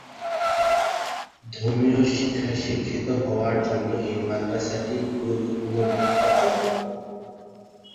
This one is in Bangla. ধর্মীয় শিক্ষায় শিক্ষিত হওয়ার জন্য এই মাদ্রাসাটি গুরুত্বপূর্ণ ভূমিকা পালন করে।